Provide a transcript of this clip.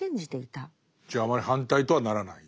じゃああまり反対とはならない。